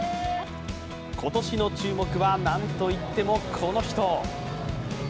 今年の注目はなんといってもこの人。